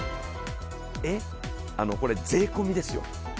え、これ税込みですよ。